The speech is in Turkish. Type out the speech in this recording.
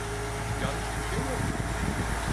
Yanlış bir şey yok.